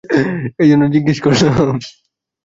এজন্য জিজ্ঞেস করলাম।